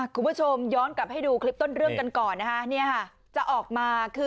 คุณผู้ชมย้อนกลับให้ดูคลิปต้นเรื่องกันก่อนนะคะเนี่ยค่ะจะออกมาคือ